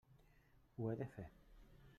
Ho he de fer.